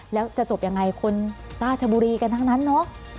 แล้วจะจบยังไงคนราชบุรีกันทั้งนั้นเนอะ